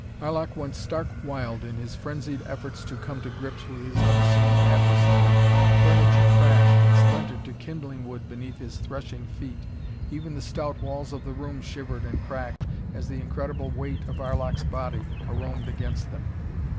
Arlok went stark wild in his frenzied efforts to come to grips with his unseen adversary. Furniture crashed and splintered to kindling wood beneath his threshing feet. Even the stout walls of the room shivered and cracked as the incredible weight of Arlok's body caromed against them.